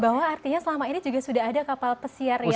bahwa artinya selama ini sudah ada kapal pesiar